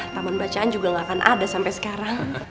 taman bacaan juga ga akan ada sampe sekarang